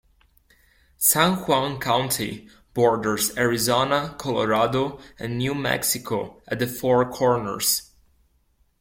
San Juan County borders Arizona, Colorado, and New Mexico at the Four Corners.